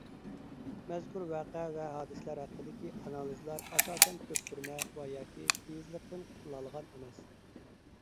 مەزكۇر ۋەقە ۋە ھادىسىلەر ھەققىدىكى ئانالىزلار ئاساسەن كۆپتۈرمە ۋە ياكى تېيىزلىقتىن قۇتۇلالىغان ئەمەس.